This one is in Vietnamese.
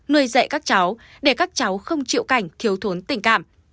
nuôi dạy các cháu để các cháu không chịu cảnh thiếu thốn tình cảm